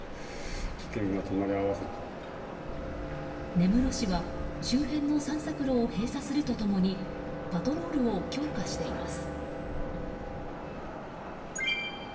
根室市は周辺の散策路を閉鎖すると共にパトロールを強化しています。